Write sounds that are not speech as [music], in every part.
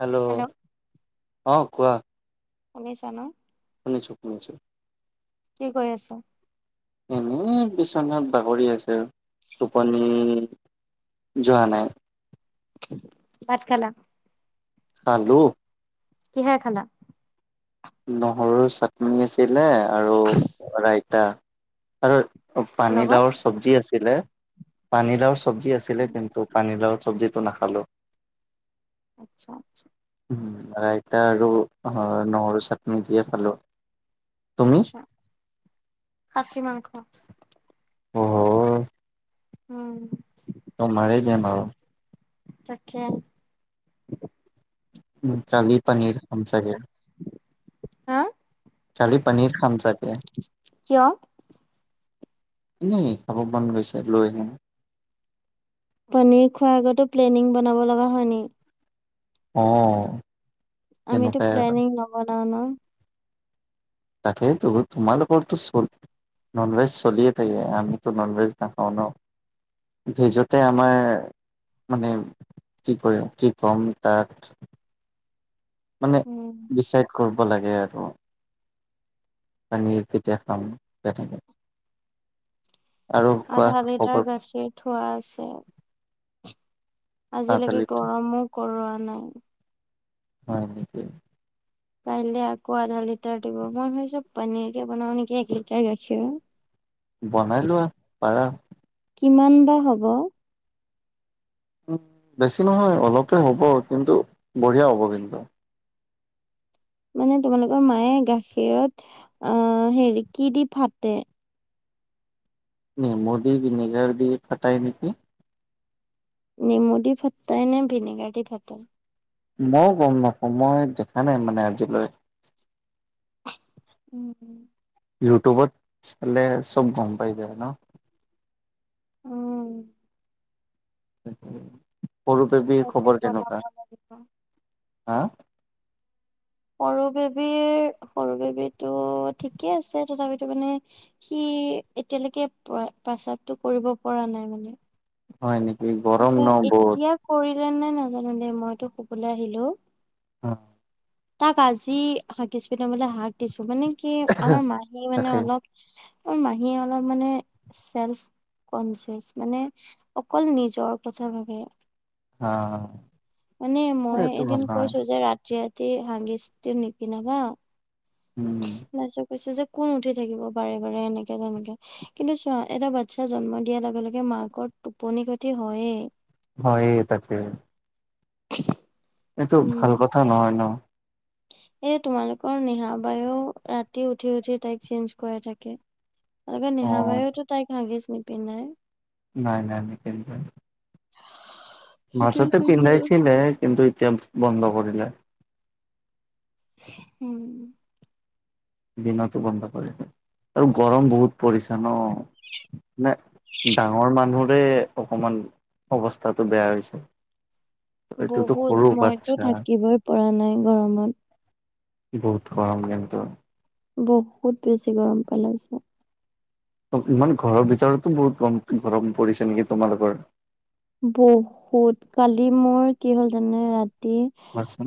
Hello অ কোৱা অমছ ন ম চুপমিছে কি কৰি আছা বিশ্বনাত বাগৰি আছে টোপনি যোৱা নাই। ভাত খালা হালু কিহাই খালা নহৰু চাটনি আছিলে আৰু ৰাইতা আৰু লগত পানীলাৱৰ চব্জি আছিলে পানীলাওৰ চব্জি আচ্ছা আছিলে কিন্তু পানীলাওৰ চব্জিত নাখালো আচ্ছা আচ্ছা উ ৰাইতা আৰু অ নহৰু চাটনি দিয়ে খালো তুমি আত্ছা খাছী মাংস অ উম অ মাৰে দিয় মাৰ তখেল [unintelligible] উ কালী পানীৰ খাম চাগে হা কালী পানীৰ খামচাগে কিয় এনেই অগ মন গৈছে লৈ আহিম পনীৰ খোৱাৰ আগতো প্লেনিং বনাব লগা হয় নি অহ আমিটো প্লেনিং নবনাও ন তাকেই ত তোমালোকোকৰ তো চল ননভেজ চলিয়ে থাকে আমিতো নন ভেজ নাখাওঁ ন ভিজতে আমাৰ মানে কি কৰি কি কম তাক [inaudible] মানে উম ডিচাইড কৰিব লাগে আৰু পানীৰ তেতিয়া খাম তে থাকে। আধা খবৰ লিটাৰ গাখীৰ থোৱা আছে। আজিলেকে কালি গৰমো কৰোৱা নাই। হয় নিকি? কাইলে আকৌ আধা লিটাৰ দিব। মই ভাবিছোঁ, পনীৰকে বনাওঁ নেকি? এক লিটাৰ গাখীৰ। বনাই লোৱা, পাৰা। কিমান বা হ'ব? বেছি নহয়, অলপে হ'ব। কিন্তু বঢ়িয়া হ'ব কিন্তু। মানে তোমালোকৰ মায়ে গাখীৰত, আহ্ হেৰি কি দি ফাটে। নেমু দি ভিনেগাৰ দি ফাটাই নেকি? নেমু দি ফাতাই নে, ভিনেগাৰ দি ফাতাই। মইয়ো গম নাপাওঁ, মই দেখা নাই মানে আজিলৈ উম্। ইউটিউবত চালে, চব গম পাই যায় ন। উম্। তাকে, সৰু বেবীৰ কাইলে খবৰ কেনেকুৱা? বনাব লাগিব। হা। সৰু বেবীৰ, সৰু বেবীটো ঠিকে আছে। তথাপিতো মানে সি সি এতিয়ালৈকে প্ৰসাৱটো কৰিব পৰা নাই মানে। হয় নেকি? গৰম ন বহুত। নাই নাজানো দেই, মইতো শুবলৈ আহিলো। অ'। তাক আজি, হাঁগিছ পিন্ধাবলে হাগ দিছোঁ। মানে কি? আমাৰ মাহি মানে তাকে অলপ মাহীয়ে অলপ মানে, চেলফ্লছ কনছিয়াচ মানে। অকল নিজৰ নিজৰ কথা ভাবে। হা। মানে মই এদিন কৈছো, যে ৰাতি ৰাতি হাগিছটো নিপিন্ধাবা। উম লাজো পাইছেজে। কোন উঠি থাকিব বাৰে বাৰে এনেকে তেনেকে। কিন্তু চোৱা এটা বাচ্ছা জন্ম দিয়াৰ লগে লগে মাকৰ টোপনি ক্ষতি হয়েই। হয়েই, তাকে। [unintelligible] এইটো উম ভাল কথা নহয় ন। এই তোমালোকৰ নিহা বায়ো ৰাতি উঠি উঠি তাইক চেঞ্জ কৰাই থাকে। তাকে, অ নিহাবায়েতো তাইক হাগিচ নিপিন্ধাই। নাই নাই, নিপিন্ধায়। সেইটোৱে মাজতে কৈছো পিন্ধাইছিলে, কিন্তু এতিয়া বন্ধ কৰিলে। উম্। দিনতো বন্ধ কৰিছে। আৰু গৰম বহুত পৰিছ ন। মানে- ডাঙৰ মানুহৰে অকমান অৱস্থাটো বেয়া হৈছে। এইটোতো বহুত, সৰু মইতো বাচ্ছা থাকিবই পৰা নাই গৰমত। বহুত গৰম কিন্তু। বহুত বেছি গৰম পেলাইছে। ইমান ঘৰৰ ভিতৰতো বহুত গৰম, ঘৰত পৰিছে নেকি তোমালোকৰ? বহুত, কালি মোৰ কি হ'ল জানা ৰাতি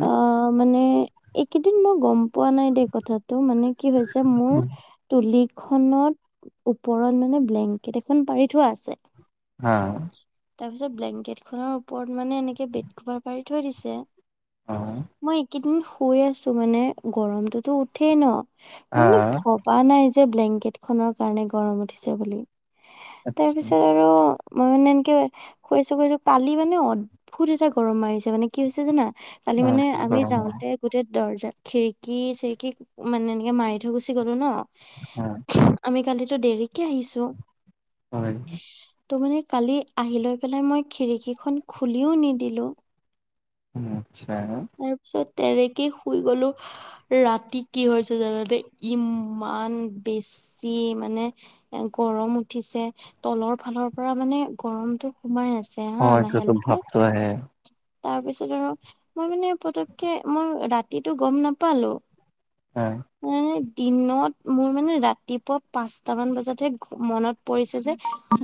অ', মানে এইকেইদিন মই গম পোৱা নাই দেই কথাটো। মানে কি হৈছে মোৰ তুলি খনত, ওপৰত মানে ব্লেংকেট এখন পাৰি থোৱা আছে। হা। তাৰপিছত ব্লেংকেট খনৰ ওপৰত মানে এনেকে বেড খভাৰ পাৰি থৈ দিছে মই এইকেইদিন শুই আছো মানে গৰমটো টো উঠেই ন মই মানে ভবা নাই যে ব্লেংকেট খনৰ কাৰণে গৰম উঠিছে বুলি তাৰপিছত আৰু মই মে এনেকে শুনিছোঁ কছো কালি মানে অদ্ভুত এটা গৰম মাৰিছে মানে কি হৈছে জানা? কালি মানে আমি যাওঁতে গোটেই দৰ্জা খিৰিকী চিৰিকী মানে এনেকে মাৰি থৈ গুচি গলো ন হ আমি কালিতো দেৰিকে আহিছো হয় ত' মানে কালি আহি লৈ পেলাই মই খিৰিকীখন খুলিও নিদিলো আচ্ছা তাৰপিছত তেনেকে শুই গলো ৰাতি কি হৈছে জানো ই আন বেছি মানে গৰম উঠিছে তলৰ ফালৰ পৰা মানে গৰমতটো সোমাই আছে হা এটা লাহে তো লাহে ভাবতে হয় তাৰপিছত আৰু মই মানে পতককে মই ৰাতিটো গম নাপালো হ্যাঁ উম দিনত মোৰ মানে ৰাতিপুৱা পাঁচট মান বজাতহে মনত পৰিছে যে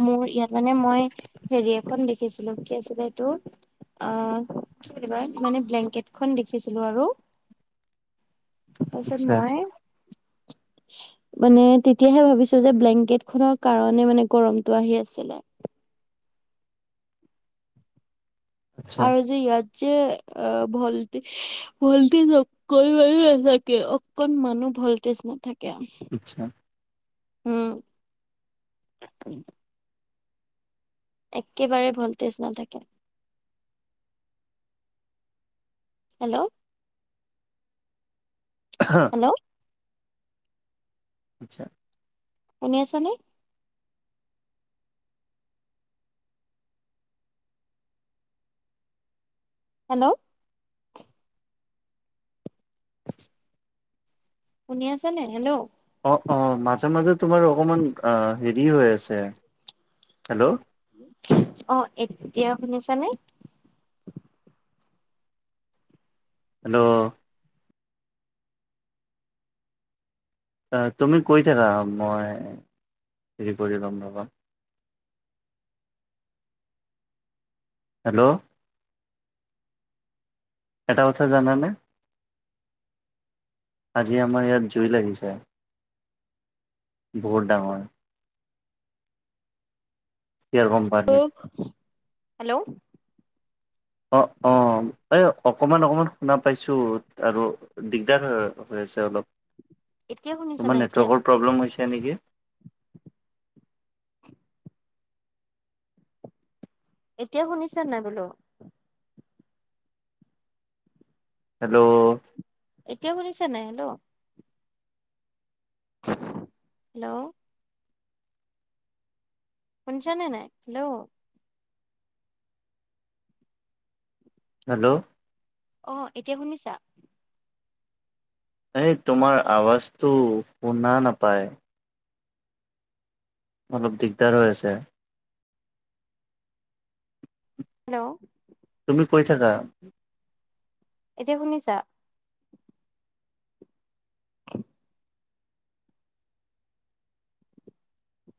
মোৰ ইয়াত মানে মই হেৰি এখন দেখিছিলো কি আছিলে এইটো আহ কিিঋবা মানে ব্লেংকেটখনন দেখিছিলো আৰু তাৰপিছত আচ্ছা মই মানে তেতিয়াহে ভাবিছো যে ব্লেংকেট খনৰ কাৰণে মানে গৰমটো আহি আছিলে আচ্ছা আৰু যে ইয়াত যে অ ভালটি ভলটি কৰিব চাগে অকন মানু ভল্টেজ নাথাকে আচ্ছা উম একেবাৰে ভল্টেজ নাথাকে হেল্ল' হেল্ল' আচ্ছা শুনি আছা নে হেল্ল' [unintelligible] শুনি আছ নে হেল্ল' অ অ মাজে মাজে তোমাৰ অকণমান অ হেৰি হৈ আছে হেল্ল' অ এতিয়া শুনিছানে হেল্ল' তুমি কৈ থাকা মই হেৰি কৰি ল'ম ৰবা হেল্ল' এটা কথা জানানে আজি আমাৰ ইয়াত জুই লাগিছে বহুত ডাঙৰ ইয়াৰ কোম্পানীত হেল্ল' অ অ এই অকমান অকমান শুনা পাইছো আৰু দিগদাৰ হৈ অলপ এতিয়া শুনিছা তোমাৰ নাই এতিয়া? নেটৱৰকৰ প্ৰব্লেম হৈছে নেকি এতিয়া শুনিছা নাই বোলো হেল্ল' এতিয়া শুনিছনা নাই হেল্ল' হেল্ল' শুনছানে নাই হেল্ল' হেল্ল' আহ এতিয়া শুনিছা? এই তোমাৰ আৱাজটো শুনা নাপায় অলপ দিগদাৰ হৈ আছে হেল্ল' তুমি কৈ থাকা এতিয়া শুনিছা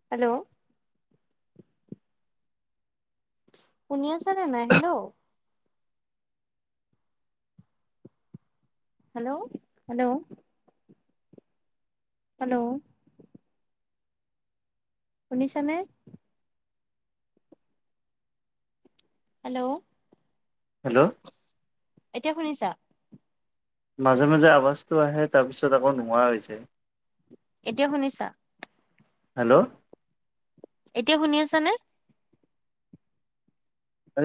হেল্ল' শুনি আছানে নাই হেল্ল' হেল্ল' হেল্ল' হেল্ল' শুনিছানে হেল্ল' হেল্ল' এতিয়া শুনিছা মাজে মাজে আৱাজটো আহে তাৰপিছত আকৌ নোহোৱা হৈছে এতিয়া শুনিছা হেল্ল' এতিয়া শুনি আছা নে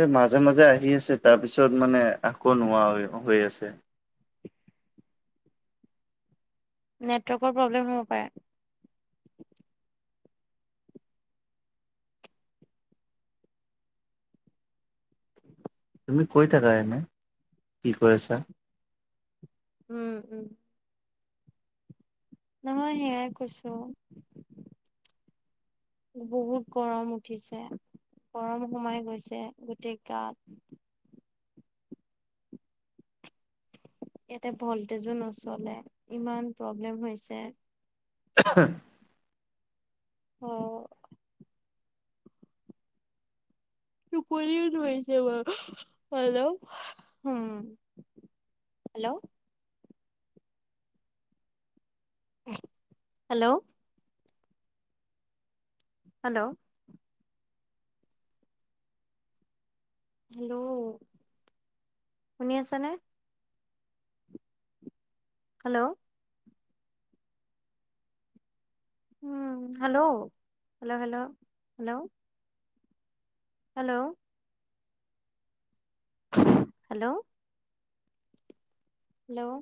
ৰে মাজে মাজে আহি আছে তাৰপিছত মানে আকৌ নোহোৱা হৈ হৈ আছে। [unintelligible] নেটৱৰ্কৰ প্ৰব্লেম হ'ব পাৰে। [inaudible] তুমি কৈ থাকা এনেই কি কৈ আছা। উম উম নহয় সেয়াই কৈছো বহুত গৰম উঠিছে পৰম সোমাই গৈছে গোটেই গাত ইয়াতে ভল্টেজো নচলে ইমান প্ৰব্লেম হৈছে হ আহ কৰিৰিওছে ব হল হম হেল্ল' হেল্ল' হেল্ল', হেল্ল' শুনি আছ নে, hello hello, hello, hello, hello, hello hello hello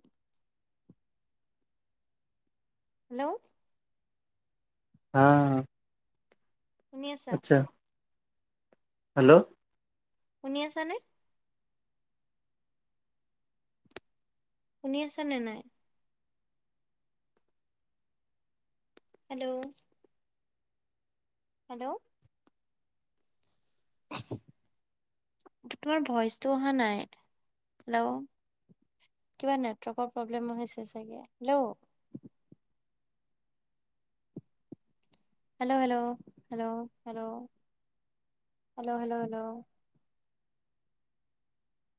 hello হ শুনি আছা হেল্ল' শুনি আছানে শুনি আছা নে নাই হেল্ল' হেল্ল' [inaudible] তোমাৰ ভইচটো অহা নাই, হেল্ল' কিবা নেটৱৰ্কৰ প্ৰব্লেম হৈছে চাগে, hello hello, hello, hello, hello, hello, hello, hello